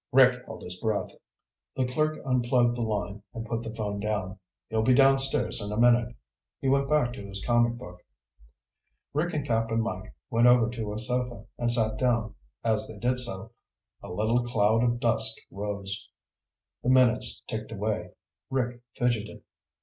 Rick held his breath. The clerk unplugged the line and put the phone down. "He'll be downstairs in a minute." He went back to his comic book. Rick and Cap'n Mike went over to a sofa and sat down. As they did so, a little cloud of dust rose. The minutes ticked away. Rick fidgeted.